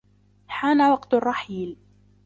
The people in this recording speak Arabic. حان وقت الرحيل.